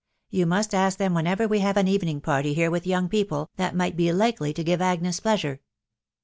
you must ask them whenever we have an evening party here with young people, that might be likely to give Agnes pleasure."